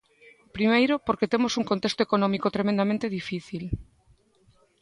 Primeiro, porque temos un contexto económico tremendamente difícil.